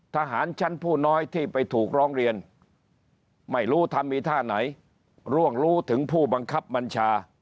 ทหารชั้นผู้น้อยที่ไปถูกร้องเรียนไม่รู้ทำมีท่าไหนร่วงรู้ถึงผู้บังคับบัญชา